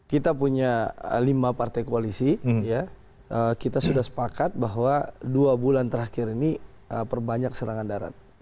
kita punya lima partai koalisi kita sudah sepakat bahwa dua bulan terakhir ini perbanyak serangan darat